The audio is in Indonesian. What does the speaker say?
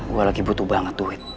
gue lagi butuh banget duit